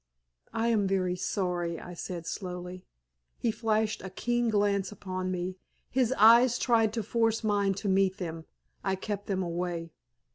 "I am very sorry," I said, slowly. He flashed a keen glance upon me. His eyes tried to force mine to meet them. I kept them away.